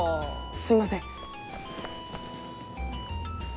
すいません。